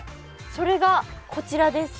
それがこちらです。